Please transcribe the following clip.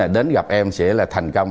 đến gặp em sẽ là thành công